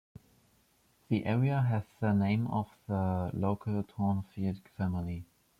The area has the name of the local Thornfield family.